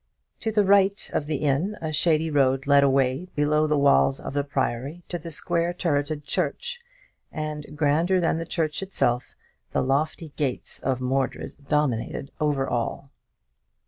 To the right of the inn a shady road led away below the walls of the Priory to the square turreted church; and, grander than the church itself, the lofty gates of Mordred dominated over all.